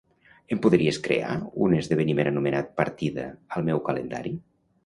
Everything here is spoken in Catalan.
Em podries crear un esdeveniment anomenat "Partida" al meu calendari?